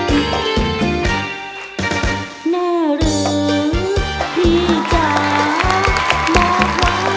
ปีนี้เลิกดีหวังจันทร์น้องนับหวังตั้งตารอ